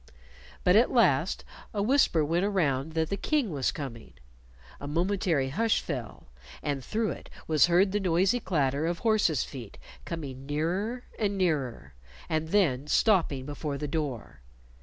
But at last a whisper went around that the King was coming. A momentary hush fell, and through it was heard the noisy clatter of horses' feet coming nearer and nearer, and then stopping before the door.